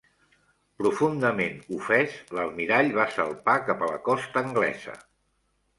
Profundament ofès, l'almirall va salpar cap a la costa anglesa.